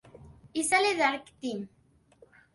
Y sale Dark Team.